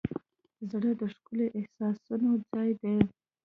زړه د ښکلي احساسونو ځای دی.